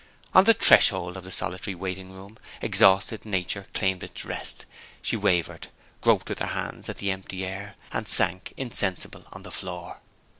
On the threshold of the solitary waiting room, exhausted nature claimed its rest. She wavered groped with her hands at the empty air and sank insensible on the floor.